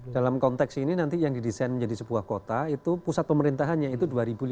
dalam konteks ini nanti yang didesain menjadi sebuah kota itu pusat pemerintahannya itu dua lima ratus